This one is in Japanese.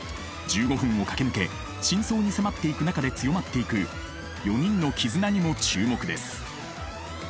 １５分を駆け抜け真相に迫っていく中で強まっていく４人の絆にも注目です。